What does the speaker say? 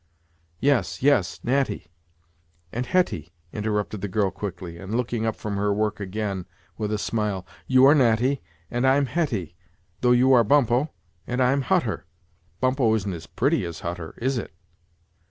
"Yes, yes Natty and Hetty" interrupted the girl quickly, and looking up from her work again, with a smile: "you are Natty, and I'm Hetty though you are Bumppo, and I'm Hutter. Bumppo isn't as pretty as Hutter, is it?"